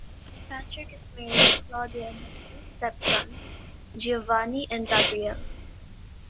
Patrick is married to Claudia and has two step sons, Giovanni and Gabriele.